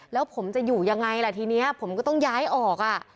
แล้วผมจะอยู่ยังไงล่ะทีนี้ผมก็ต้องย้ายออกอ่ะ